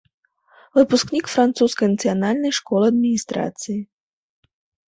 Выпускнік французскай нацыянальнай школы адміністрацыі.